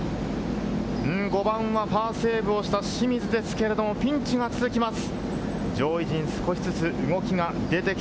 ５番はパーセーブをした清水ですけれども、ピンチが続きます。